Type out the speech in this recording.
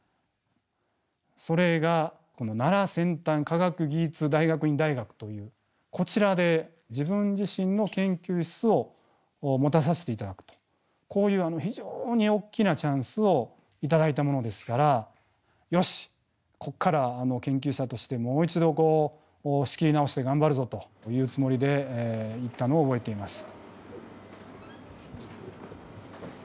それが奈良先端科学技術大学院大学というこちらで自分自身の研究室を持たさせて頂くとこういう非常に大きなチャンスを頂いたものですからよしここから研究者としてもう一度仕切り直して頑張るぞというつもりで行ったのを覚えています。